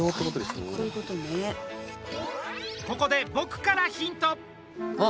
ここで僕からヒント！